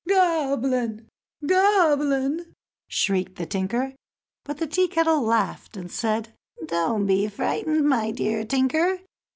"Goblin! goblin!" shrieked the tinker. But the Tea kettle laughed and said: "Don't be frightened, my dear tinker.